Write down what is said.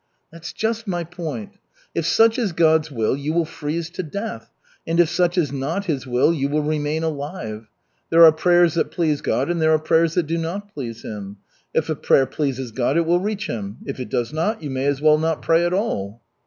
"That's just my point. If such is God's will, you will freeze to death, and if such is not His will, you will remain alive. There are prayers that please God and there are prayers that do not please Him. If a prayer pleases God it will reach Him, if it does not, you may as well not pray at all."